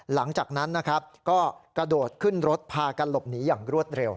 หลังจากนั้นนะครับก็กระโดดขึ้นรถพากันหลบหนีอย่างรวดเร็ว